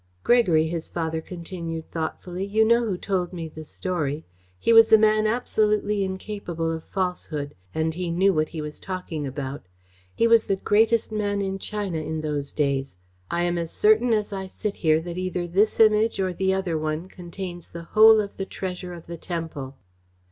"Gregory," his father continued thoughtfully, "you know who told me the story. He was a man absolutely incapable of falsehood, and he knew what he was talking about. He was the greatest man in China in those days. I am as certain as I sit here that either this Image or the other one contains the whole of the treasure of the temple."